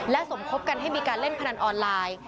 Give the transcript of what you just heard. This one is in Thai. สมคบกันให้มีการเล่นพนันออนไลน์